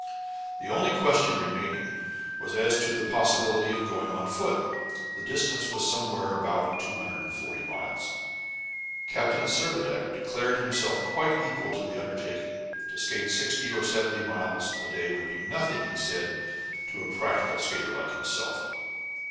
The only question remaining was as to the possibility of going on foot. The distance was somewhere about 240 miles. Captain Servadac declared himself quite equal to the undertaking. To skate sixty or seventy miles a day would be nothing, he said, to a practical skater like himself.